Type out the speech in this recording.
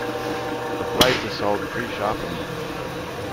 The blades are sold pre-sharpened.